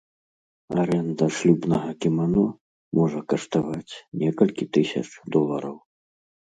Арэнда шлюбнага кімано можа каштаваць некалькі тысяч долараў.